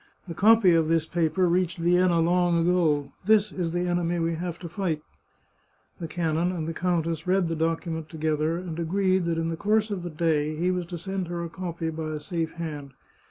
The copy of this paper reached Vienna long ago. This is the enemy we have to fight !" The canon and the countess read the docu ment together, and agreed that in the course of the day he was to send her a copy by a safe hand.